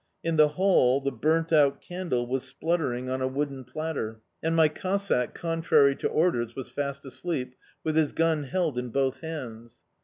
In the hall the burnt out candle was spluttering on a wooden platter, and my Cossack, contrary to orders, was fast asleep, with his gun held in both hands.